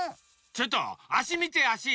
ちょっとあしみてあし。